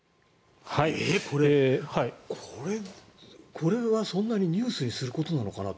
これはそんなにニュースにすることなのかなって。